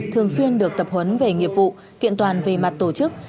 thường xuyên được tập huấn về nghiệp vụ kiện toàn về mặt tổ chức